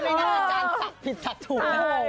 ไม่ง่าอาจารย์สักผิดสักถูก